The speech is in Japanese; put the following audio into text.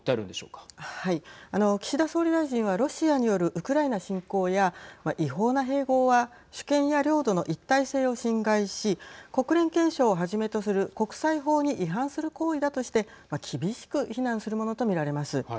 あの岸田総理大臣はロシアによるウクライナ侵攻や違法な併合は主権や領土の一体性を侵害し国連憲章をはじめとする国際法に違反する行為だとして厳しく非難するものと見られます。